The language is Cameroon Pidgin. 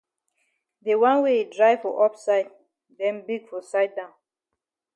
De wan wey yi dry for up side den big for side down.